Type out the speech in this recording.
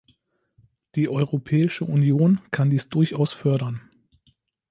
Die Europäische Union kann dies durchaus fördern.